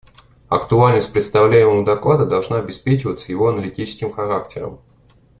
Актуальность представляемого доклада должна обеспечиваться его аналитическим характером.